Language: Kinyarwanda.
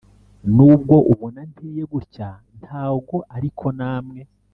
nubwo ubona nteye gutya ntago ariko namwe